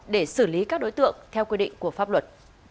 để xử lý các đối tượng theo quy định của pháp luật